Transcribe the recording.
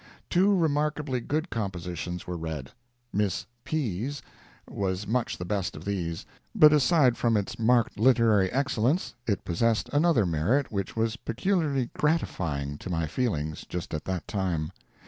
Two remarkably good compositions were read. Miss P.'s was much the best of these—but aside from its marked literary excellence, it possessed another merit which was peculiarly gratifying to my feelings just at that time.